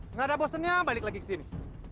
nggak ada bosennya balik lagi ke sini